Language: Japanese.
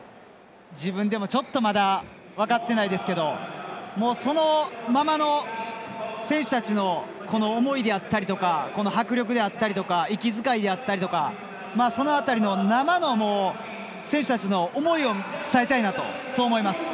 自分でもちょっとまだ分かってないですけどそのままの選手たちの思いであったりとか迫力であったり息遣いであったりとかその辺りの生の選手たちの思いを伝えたいなとそう思います。